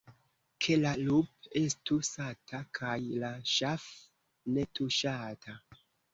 Ke la lup' estu sata, kaj la ŝaf' ne tuŝata.